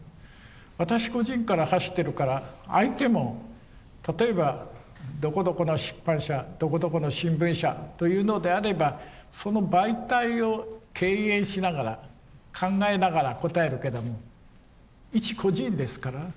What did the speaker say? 私個人から発してるから相手も例えばどこどこの出版社どこどこの新聞社というのであればその媒体を敬遠しながら考えながら答えるけども一個人ですから。